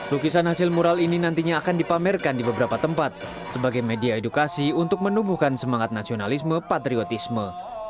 lukisan hasil mural ini nantinya akan dipamerkan di beberapa tempat sebagai media edukasi untuk menumbuhkan semangat nasionalisme patriotisme